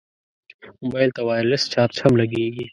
موبایل ته وایرلس چارج هم لګېږي.